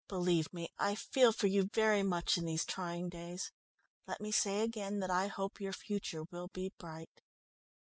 Believe me, I feel for you very much in these trying days. Let me say again that I hope your future will be bright.